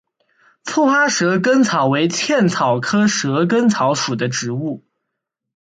簇花蛇根草为茜草科蛇根草属的植物。